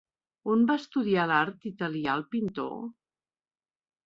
On va estudiar l'art Italià el pintor?